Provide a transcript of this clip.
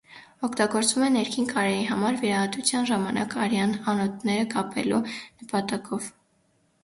Օգտագործվում է ներքին կարերի համար՝ վիրահատության ժամանակ արյան անոթները կապելու նպատակով։